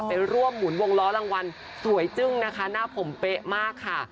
ไปร่วมหมุนวงล้อรางวัลสวยจึ้งนะคะหน้าผมเป๊ะมากค่ะ